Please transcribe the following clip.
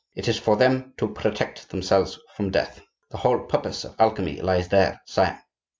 It is for them to protect themselves from death,—the whole purpose of alchemy lies there, sire.